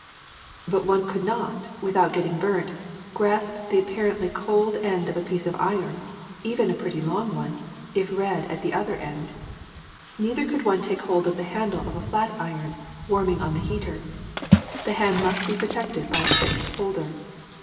'^ ''But one could not, without getting burnt, grasp the apparently cold end of a piece of iron, even a pretty long one, if red at the other end. Neither could one take hold of the handle of a flat iron warm ing on the heater. The hand must be protected by a thick holder.